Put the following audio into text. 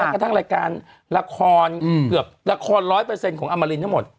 กระทั่งรายการละครเกือบละครร้อยเปอร์สเซ็นต์ของออมมารินให้หมด